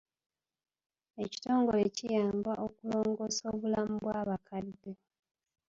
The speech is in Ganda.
Ekitongole kiyamba okulongoosa obulamu bw'abakadde.